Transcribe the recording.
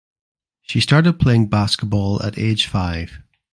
She started playing basketball at age five.